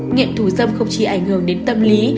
nghiệm thù dâm không chỉ ảnh hưởng đến tâm lý